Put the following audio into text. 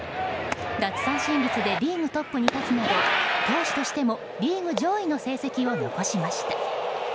奪三振率でリーグトップに立つなど投手としてもリーグ上位の成績を残しました。